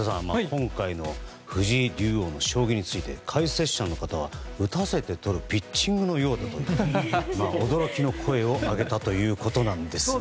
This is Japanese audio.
今回の藤井竜王の将棋について解説者の方は、打たせてとるピッチングのようだと驚きの声を上げたということなんですが。